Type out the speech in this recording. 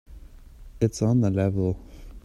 It's on the level.